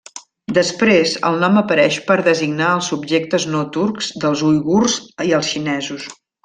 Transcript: Després el nom apareix per designar als subjectes no turcs dels uigurs i als xinesos.